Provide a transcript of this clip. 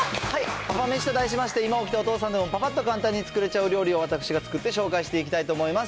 パパめしと題しまして、今起きたお父さんでもパパッと簡単に作れちゃう料理を私が作って紹介していきたいと思います。